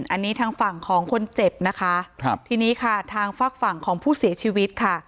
อันนี้ทางฝั่งของคนเจ็บนะคะครับทีนี้ค่ะทางฝากฝั่งของผู้เสียชีวิตค่ะ